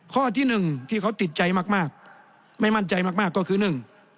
ข้อที่๑ที่เขาติดใจมากไม่มั่นใจมากก็คือ๑